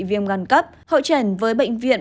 viêm gan cấp hội trần với bệnh viện